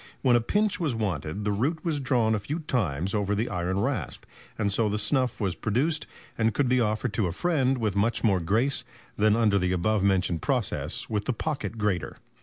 When a pinch was wanted, the root was drawn a few times over the iron rasp, and so the snuff was produced and could be offered to a friend with much more grace than under the above mentioned process with the pocket grater."